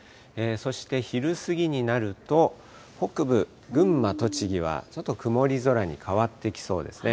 そして昼過ぎになると、北部、群馬、栃木はちょっと曇り空に変わってきそうですね。